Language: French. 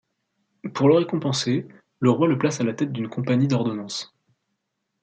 Pour le récompenser, le roi le place à la tête d'une compagnie d'ordonnance.